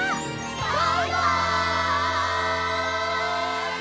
バイバイ！